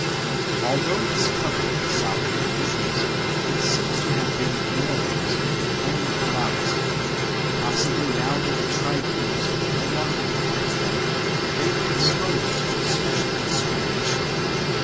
Although this covered the salaried officials, it seems to have been the familiars who complained the loudest ; possibly now that the tribunals could no longer protect them they were exposed to special discrimination.